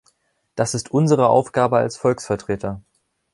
Das ist unsere Aufgabe als Volksvertreter.